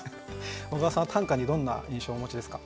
小川さんは短歌にどんな印象をお持ちですか？